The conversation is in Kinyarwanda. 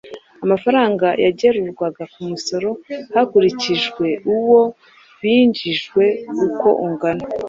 amafaranga yagerurwaga ku musoro hakurikijwe uwo binjijwe uko ungana.